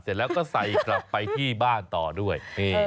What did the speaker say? เสร็จแล้วก็ใส่กลับไปที่บ้านต่อด้วย